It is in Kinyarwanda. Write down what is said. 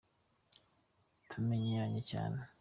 Tumenyeranye cyane